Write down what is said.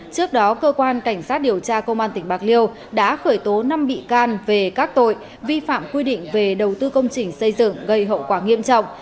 trước đó cơ quan cảnh sát điều tra công an tỉnh bạc liêu đã khởi tố năm bị can về các tội vi phạm quy định về đầu tư công trình xây dựng gây hậu quả nghiêm trọng